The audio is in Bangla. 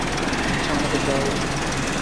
আচ্ছা, আমাদের যাওয়া উচিত।